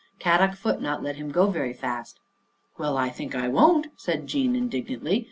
Kadok foot not let him go very fast." " Well, I think I won't," said Jean indig nantly.